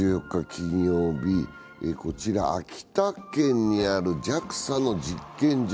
金曜日、こちら、秋田県にあるＪＡＸＡの実験場